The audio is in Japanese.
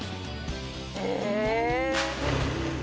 「へえ」